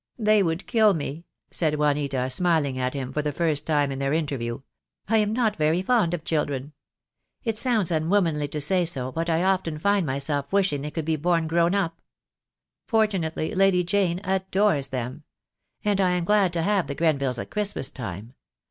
"They would kill me," said Juanita, smiling at him for the first time in their interview. "I am not very fond of children. It sounds unwomanly to say so, but I often find myself wishing they could be born grown up. For tunately, Lady Jane adores them. And I am glad to have the Grenvilles at Christmas time.